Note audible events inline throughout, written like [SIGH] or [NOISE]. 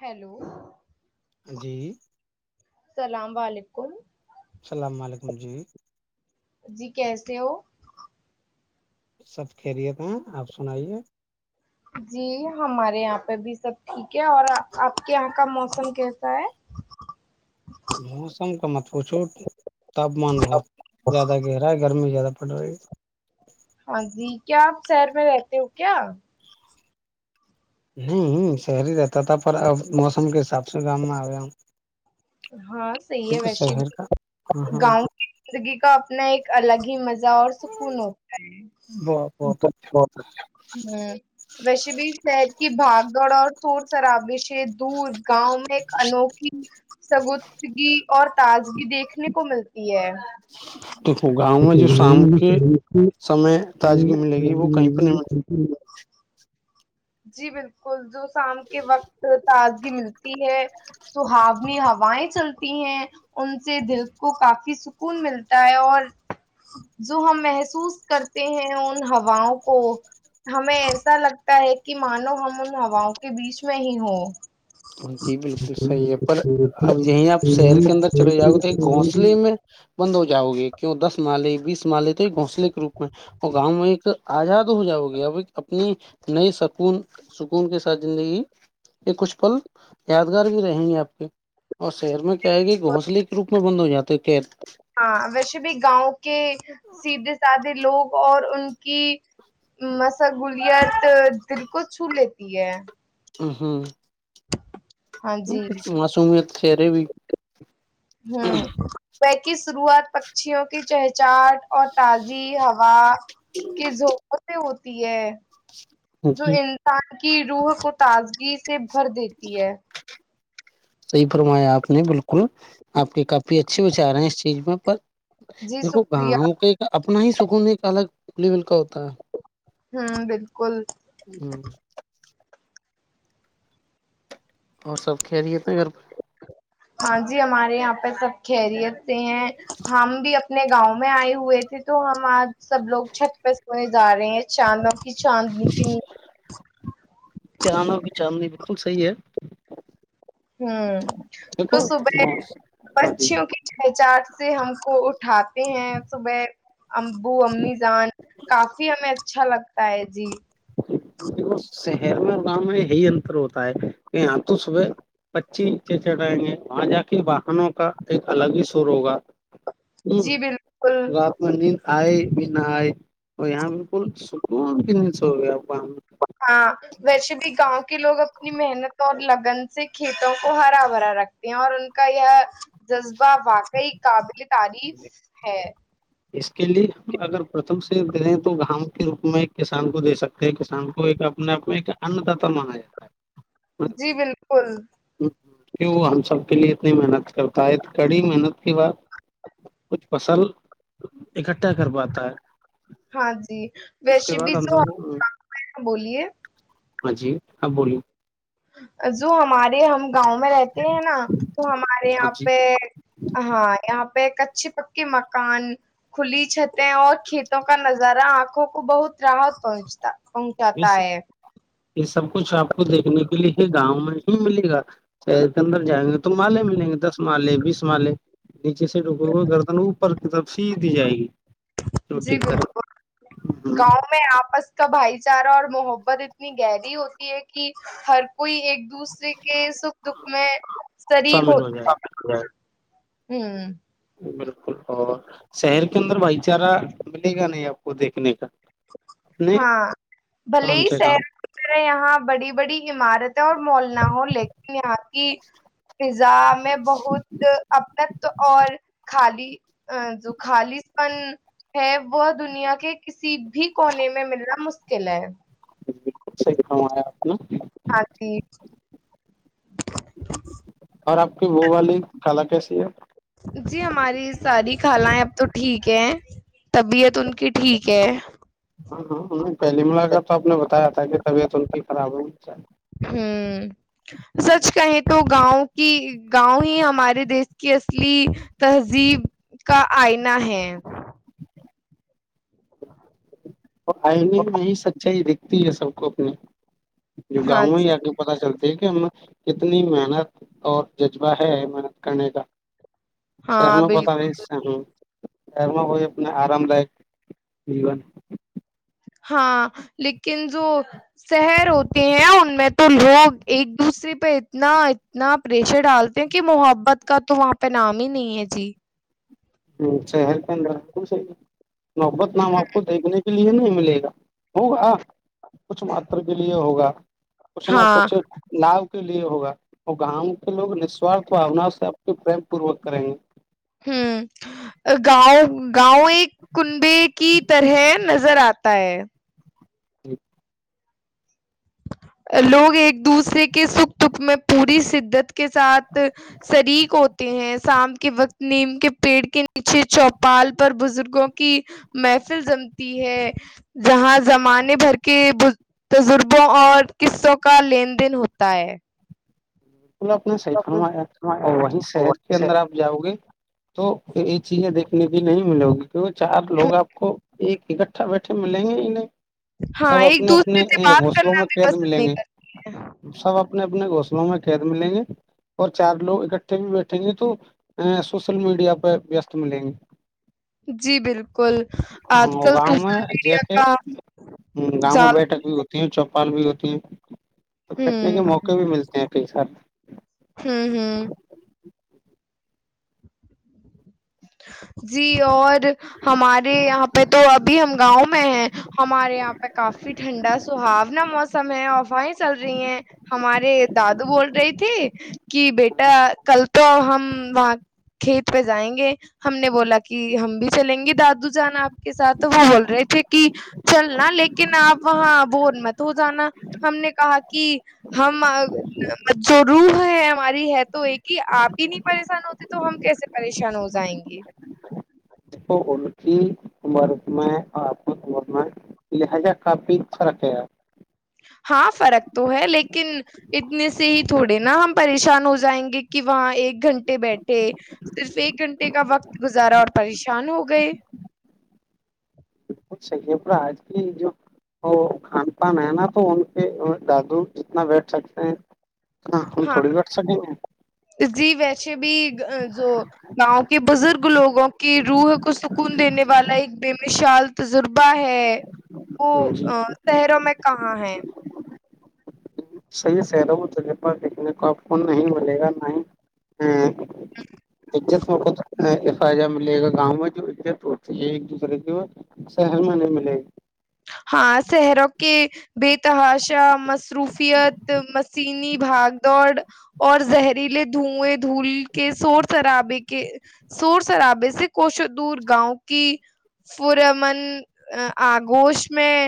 Hello جی السلام و علیکم السلام علیکم جی جی کیسے ہو سب خیریت ہیں آپ سنائیے جی ہمارے یہاں پہ بھی سب ٹھیک ہے اور آپ کے یہاں کا موسم کیسا ہے موسم کا متب چھوٹ تاپمان بہت زیادہ گہرا ہے گرمی زیادہ اپنائی ہاں جی کیا آپ شر میں رہتے ہو کیا شری تت پر اب موسم کے حساب سے اسر گام میں آ ہم ہاں صحیح ہے ویسے بھی ہاں ہاں گاؤں کی زندگی کا اپنا ایک الگ ہی مزہ اور ہوتا بہت بہت اچھا ویش بھی شہر کی بھاگ گڑ اور ور شرابی سے دھ گاؤں میں ایک انوکھی سگوتگی اور تاز بھی دیکھنے کو ملتی ہے دیکھو گاؤں میں جو شام کے سمے تازگی ملے گی وہ کہیں پہ نہیں ملے گی جی بالکل جو شام کے وقت تازگی ملتی ہے سحاؤنی ہوائیں چلتی ہیں ان سے دل کو کافی سکون ملتا ہے اور جو ہم محسوس کرتے ہیں ان ہواؤں کو ہمیں ایسا لگتا ہے کہ مانو ہم ان ہاؤں کے بیچ میں ہی ہ جی بالکل صحیح ہے پر اب یہیں آپ شہر کے اندر چلے جاؤے تو گھونسلے میں بند ہو جاؤ گے کیوں دس مالے بیس مالے تو ایک گھسلے کے روپ میں اور گاؤں میں ایک آزاد ہو جاؤ گے اب ایک اپنی نئے سکون سکون کے ساتھ زندگی یہ کچھ پل یادگار بھی رہیں گے آپ کے اور شہر میں کیا ہے کہ گھونسلے کے روپ میں بند ہو جاتے ہیں قید ہاں ویسے بھی گاؤں کے سیدھے سادھے لوگ اور ان کی مشغولیت دل کو چھو لیتی ہے ہ ہوں [UNINTELLIGIBLE] ہاں جی۔ کچ معصمیت خھیرے بھی [UNINTELLIGIBLE] ہوں [UNINTELLIGIBLE] کی شروعات پکشیوں کی چہچاہٹ اور تازی ہوا کہ زپتے ہو پ ہے [UNINTELLIGIBLE] جو جی انسان کی روح کو تازگی سے بھر دیتی ہے صحیح فرمایا آپ نے بالکل آپ کے کافی اچھے وچار ہیں اس چیز میں پر جی دیکھو شکریہ گاؤں کے اپنا ہی سکون ایک الگ پلی ملک ہوتا ہ [UNINTELLIGIBLE] ہوں بالکل ہوں [UNINTELLIGIBLE] اور سب کہ دیےتے ہیں گھر پہ ہاں جی ہمارے یہاں پہ سب خریت ہیں ہم بھی اپنے گاؤں میں آئے ہوئے تھے تو ہم آج سب لوگ چھت پہ کو جا رہے ہیں چاندوں کی چاندنی کےنی چانوں کی چاندنی بالکل صحیح ہے ہوں تو دیکھو صبح ہاں جی پچیوں کی چہچاٹ سے ہم کو اٹھاتے ہیں صبح امبو امیزان کافی ہمیں اچھا لگتا ہے جی دیک شہر میں اور گاؤں میں یہی انتر ہوتا ہے کہ یہاں تو صبح پچی نچے چڑھائیں گے وہاں جا کے واہنوں کا ایک الگ ہی سور ہوگا [INAUDIBLE] ہ جی بالکل رپ مندر آئے بھی نہ آئے اور یہاں بالکل سکون سو گ ہاں ویسے بھی گاؤں کے لوگ اپنی محنت تو لگن سے کھیتوں کو ہرا بھرا رکھتے ہیں اور ان کا یہ جذبہ واقعی قابل تعریف ہے اس کے لیے اگر پرتم سے دیں تو گام کے روپ میں کسان کو دے سکتے ہیں کسان کو ایک اپنے آپ میں ایک انداتا مانا جاتا ہے جی بالکل کل کی وہ ہم سب کے لیے اتنی محنت کرتا ہے کڑی محنت کے بعد کچھ فصل اکٹھا کر پاتا ہے ہاں جی اس ویش کے بھی بعد ہم جو سب کو بولیے ہاں جی کب بولیے جو ہمارے ہم گاؤں میں رہتے ہیں نا تو ہمارے ہاں یہاں جی پہ ہاں یہ یہاں پہ کچے پکے مکان کھلی چھتیں اور کھیتوں کا نظارہ آنکھوں کو بہت راحت پہنچتا پنچاتا اس ہے یہ سب کچھ آپ کو دیکھنے کے لیے ہی گاؤں میں ہی ملے گا چ تندر جگ تو مالے ملیں گے دس مالے بیس مالے نیچے سے ڈوکے ہوئے گردن ہو کتاب سی دی جائے گی جی چوٹی کی طرف گاؤں میں آپس کا بھائی چارہ اور محبت اتنی گہری ہوتی ہے کہ ہر کوئی ایک دوسرے کے سکھ دکھ میں شریک شامل ہو جائے گی ہوتا ہوں بالکل اور شہر کے اندر بھائی چارہ ملے گا نہیں آپ کو دیکھنے کا نہیں ہاں بھلے کام ہی سے کام سیر یہاں بڑی بڑی عمارتیں اور مول نہ ہو لیکن یہاں کی فضا میں بہت تو اور خالی ا جو خالی ہے وہ دنیا کے ک بھی کونے میں مل رہا م کے ل ہے [UNINTELLIGIBLE] ج بالکل صحیح فرمایا آپ نے ہاںک [UNINTELLIGIBLE] اور آپ کی وہ والی خالا کیسی ہے جی ہماری ساری خالائیں اب تو ٹھیک ہے طبیعت ان کی ٹھیک ہے ہاں ہاں ہو پہلی ملاکت کر تو آپ نے بتایا تھا کہ طبیعت ان کی خراب ہوگی ہوں سچ کہیں تو گاؤں کی گاؤں ہی ہمارے دیش کی اصلی تہذیب کا آئین ہے آئ نہیں میں سچائی دیک ہے سب کو اپنے [UNINTELLIGIBLE] جو ہاں گاؤں جی، ہی آگ پتہ چلتا دیکھے ہم کتنی محنت اور جذبہ ہے محنت کرنے کا ہاں، سحن بالکل۔ پتا بھی س ہم شر ہو اپنے آرام لائک جین ہاں لیکن جو شہر ہوتے ہیں ان میں تو لوگ ایک دوسرے پہ اتنا اتنا پریشر ڈالتے ہیں کہ محبت کا تو وہاں پہ نام ہی نہیں ہے جی ہ شہر کے اندر س محبت نام آپ کو دیکھنے کے لیے نہیں ملے گا ہوگا کچھ مر کے لیے ہوگا پشنا ہاں، کرچ لھ [UNINTELLIGIBLE] کے لیے ہوگا اور گاؤں کے لوگ نسوارھ بھونا سے آ کے پریم پوروک کریں گے ہوں [UNINTELLIGIBLE] گاؤں گاؤں ایک کنبے کی طرح نظر آتا ت [UNINTELLIGIBLE] ج [UNINTELLIGIBLE] لوگ ایک دوسرے کے سکھ دکھ میں پوری شدت کے ساتھ شریک ہوتے ہیں سام کے وقت نیم کے پیڑ کے نیچے چوپال پر بزرگوں کی محفل جمتی ہے جہاں زمانے بھر کے بزگ اور قصوں کا لین دین ہوتا ہے اپ نے صحیح فرمایا اور وہیں شہر کے اندر آپ جاؤ گے تو یہ چیزیں دیکھنے کی نہیں ملے گی کی چار لوگ آپ کو ایک اکٹھا بیٹھے ملیں گے ہی نہیں ہاں سب ایک اپنے دوسرے اپنے سے بات گھونسلوں کرنا میں بھی پسند نہیں کرتی ہیں آ نے اپنا گسلو میں ق ملیں گے اور چار لوگ اکٹھے بھی بیٹھیں گے تو سوشل میڈیا پہ وست ملیں گے کرتے جی بالکل آج ہاں کل گاؤں میں سوشل میڈیا جیسے کا گاؤں میں زیادہ بیٹھک بھی ہوتی ہے چوپال بھی ہوتی ہے تو بیٹھنے کے ہوں موقع بھی ملتے ہیں [INAUDIBLE] ہہم ہہم [INAUDIBLE] [INAUDIBLE] جی اور ہمارے یہاں پہ تو ابھی ہم گاؤں میں ہیں ہمارے یہاں پہ کافی ٹھنڈا سہاونا موسم ہے ہاوہیں چل رہی ہیں ہمارے دادو بول رہی تھی کہ بیٹا کل تو ہم وہا کھیت پہ جائیں گے ہم نے بولا کہ ہم بھی چلیں گے دادو جان آپ کے ساتھ تو وہ بول رہے تھے کہ چلنا لیکن آپ وہاں بور مت ہو جانا ہم نے کہا کہ ہم جو روح ہے ہماری ہے تو ایک ہی آپ ہی نہیں پریشان ہوتے تو تو ہم کیسے پریشان ہو جائیں گے اس کو ان کی عمر میں اور آپ کی عمر میں لہذا کافی فارق ہیں ہاں فرق تو ہے لیکن اتنے سے ہی تھوڑے نا ہم پریشان ہو جائیں گے کہ وہاں ایک گھنٹے بیٹھے صرف ایک گھنٹے کا وقت گزارا اور پریشان ہو گئے سے پورا آج کی جو وہ کھان پان ہے نا تو ان کے دادو جتنا بیٹھ سکتے ہیں ہاں ہم تھوڑی بیٹ سکے گے [INAUDIBLE] ا بھی جو گاؤں کے بزرگ لوگو ں کہ روح کو سکون دینے والا ایک بی وشال تجربہ ہے وہ گے جی تہروں میں کہاں ہے صحیح سہرو اس جگہ پر دیکھنے کو آپ کو نہیں ملے گا نہ ہی عزت [INAUDIBLE] ہ ملے گا گاؤں میں جو عزت ہوتی ہیں ایک دوسرے کے اور شہر میں نہیں ملے گی ہاں شہروں کے بے تحاشا مصروفیت مسیینی بھاگ دوڑ اور زہریلے دھوئیں دھول کے شور شرابے کے شور شرابے سے کوشو دور گاؤں کی پور امن گوش میں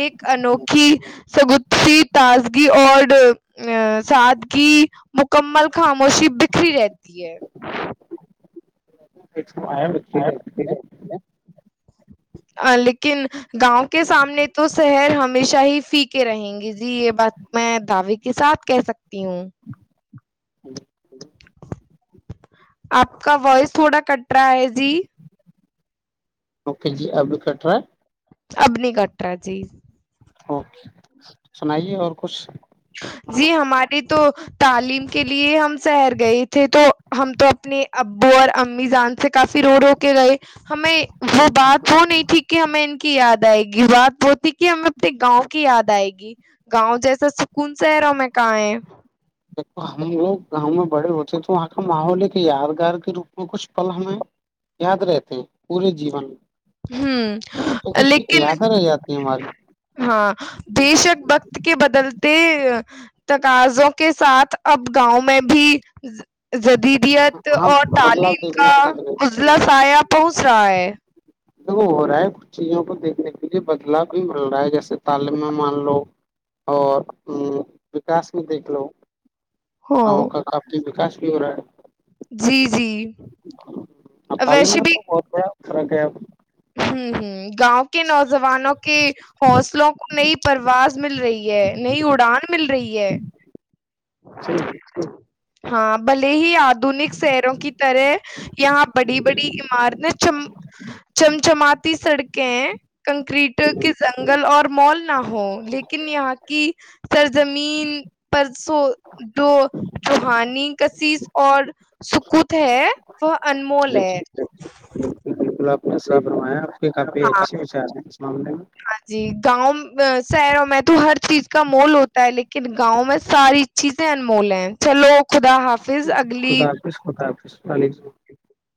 ایک انوکھی سگت تازگی اور ا سادگی مکملخ خاموشی بکھری رہتی ہے آ بے [INAUDIBLE] لیکن گاؤں کے سامنے تو شہر ہمیشہ ہی فیکے رہیں گے جی یہ بات میں دعوے کے ساتھ کہہ سکتی ہوں آپ کا وائس تھوڑا کٹ رہا ہے جی اوکے جی ابھی کٹ رہا اب نہیں کٹ رہا جی ہے سنائیے اور کچھ جی ہماری تو تعلیم کے لیے ہم شہر گئے تھے تو ہم تو اپنے ابو اور امی جان سے کافی رو رو کے گئے ہمیں وہ بات وہ نہیں تھی کہ ہمیں ان کی یاد آئے گی بات وہ تھی کہ ہمیں اپنے گاؤں کی یاد آئے گی گاؤں جیسا شہروں میں کہاں ہے دیکھو ہم لوگ گاؤں میں بڑے ہوتے ہیں تو وہاں کا ماحول کہ یادگار کے روپ میں کچھ پل ہمیں یاد رہتے ہیں پورے جیون تو ہہم کچھ لیکن یادیں رہ جاتی ہیں ہماری ہاں بے شک وقت کے بدل تقاضوں کے ساتھ اب گاؤں میں بھی جدیدیت ہاں اور بدلاؤ تعلیم دیکھنے کا کو مل گئی اضلا سایہ پہنچ رہا ہے دیک ہو رہا ہے کچھ چیزوں کو دیکھنے کے لیے بدلاؤ بھی مل رہا ہے جیسے تعلیم میں مان لو اور وکاس میں دیکھ لو ہاں، ہمم کا کاپ کی وکاس پورا جی جی ویسے بھی ر کیا ہوں ہوں گاؤں کے نوجوانوں کے حوصلوں کو نئی پرواز مل رہی ہے نئی اڑان مل رہی ہے صی ہاں بلے ہی یاد آدنک شہروں کی طرح یہاں بڑی بڑی عمارتیں چ چمچماتی سڑکیں کنکریٹ کے جنگل اور مال نہ ہ لیکن یہاں کی سرزمین پر سو جو چوہانی کشس اور سکت ہے وہ ا انمول ہے۔ بالکل بالکل آپ نے صحیح بنوایا آپ کے کافی ہاں، اچھے و چار ہیں اس معاملے میں ہاں جی گاؤں شہروں میں تو ہر چیز کا مول ہوتا ہے لیکن گاؤں میں ساری چیزیں انمول ہیں چلو خدا حافظ اگلی خدا حافظ [UNINTELLIGIBLE]